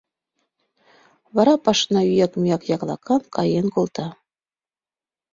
Вара пашана ӱяк-мӱяк яклакан каен колта...